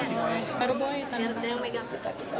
ini baru terlibat